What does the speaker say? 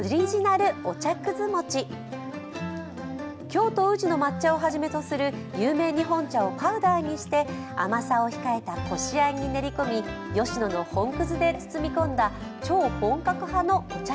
京都・宇治の抹茶をはじめとする有名日本茶をパウダーにして甘さを控えたこしあんに練り込み、吉野の本葛で包み込んだ超本格派のお茶